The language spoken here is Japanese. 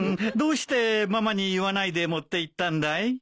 どうしてママに言わないで持っていったんだい？